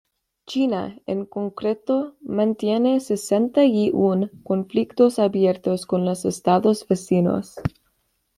China, en concreto, mantiene sesenta y un conflictos abiertos con los estados vecinos.